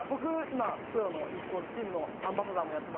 今プロのｅスポーツチームのアンバサダーもやって。